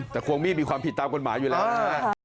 แต่ควงมีดมีความผิดตามกฎหมายอยู่แล้ว